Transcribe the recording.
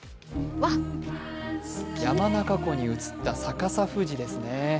山中湖に映った逆さ富士ですね。